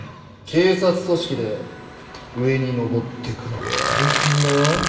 警察組織で上に上ってくのは大変だよ？